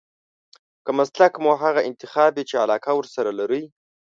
که مسلک مو هغه انتخاب وي چې علاقه ورسره لرئ.